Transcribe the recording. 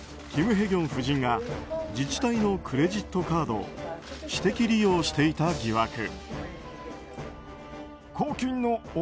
キム・ヘギョン夫人が自治体のクレジットカードを私的利用していた疑惑。